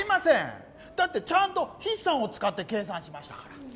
だってちゃんとひっ算をつかって計算しましたから。